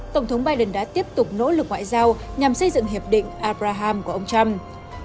tổng thống biden đã tiếp tục nỗ lực ngoại giao nhằm xây dựng hiệp định abraham của ông trump